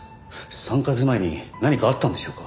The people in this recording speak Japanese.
３カ月前に何かあったんでしょうか？